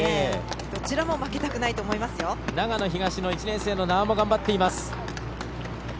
どちらも負けたくないと長野東の１年生の名和も頑張っています。